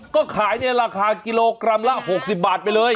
ก็ขายในราคากิโลกรัมละ๖๐บาทไปเลย